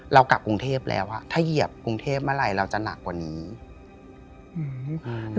เรากลับกรุงเทพแล้วอ่ะถ้าเหยียบกรุงเทพเมื่อไหร่เราจะหนักกว่านี้อืม